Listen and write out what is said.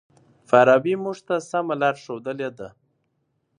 فارابي موږ ته سمه لار ښودلې ده.